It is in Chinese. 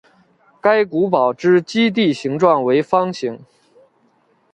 该古堡之基地形状为方形。